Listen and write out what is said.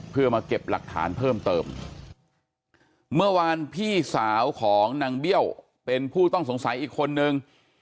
เพื่อมาเก็บหลักฐานเพิ่มเติมเมื่อวานพี่สาวของนางเบี้ยวเป็นผู้ต้องสงสัยอีกคนนึง